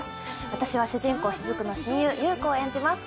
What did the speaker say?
私は主人公雫の親友夕子を演じます。